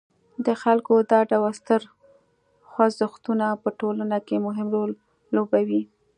د خلکو دا ډول ستر خوځښتونه په ټولنه کې مهم رول لوبوي.